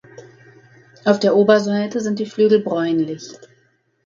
Auf der Oberseite sind die Flügel bräunlich.